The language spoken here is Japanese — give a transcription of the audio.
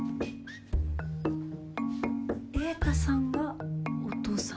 栄太さんがお父さん？